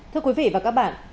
thưa quý vị và các bạn